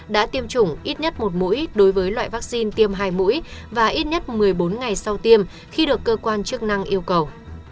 đã tiêm chủng ít nhất một mũi đối với loại vaccine tiêm hai mũi và ít nhất một mươi bốn ngày sau tiêm khi được cơ quan chức năng yêu cầu